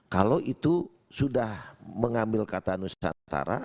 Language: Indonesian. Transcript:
kalau itu sudah mengambil kata nusantara